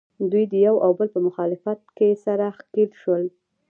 دوی د یو او بل په مخالفت کې سره ښکلیل شول